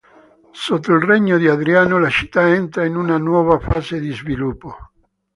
Sotto il regno di Adriano la città entra in una nuova fase di sviluppo.